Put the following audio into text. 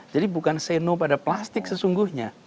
jadi bukan say no pada plastik sesungguhnya